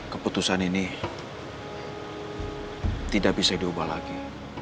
keputusan ini tidak bisa diubah lagi